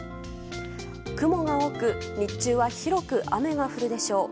雲が多く日中は広く雨が降るでしょう。